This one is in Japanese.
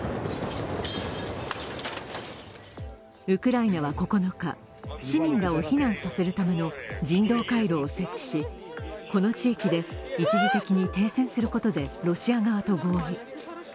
ウクライナは９日、市民らを避難させるための人道回廊を設置しこの地域で一時的に停戦することでロシア側と合意。